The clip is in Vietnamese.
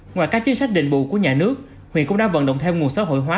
ngoài các chính sách định bù của nhà nước huyện cũng đã vận động thêm nguồn xã hội hóa